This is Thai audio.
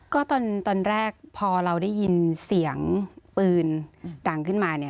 ก็ตอนแรกพอเราได้ยินเสียงปืนดังขึ้นมาเนี่ย